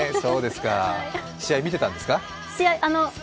試合、見てたんですか？